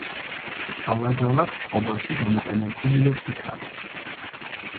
ალაგ-ალაგ წყობაში გამოყენებულია ფიქალი.